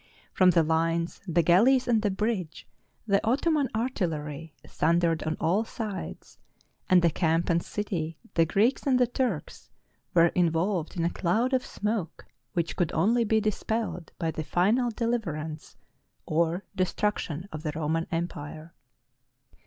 From the lines, the galleys, and the bridge, the Ottoman artillery thun 484 THE FALL OF CONSTANTINOPLE dered on all sides; and the camp and city, the Greeks and the Turks, were involved in a cloud of smoke which could only be dispelled by the final deliverance or de struction of the Roman Empire.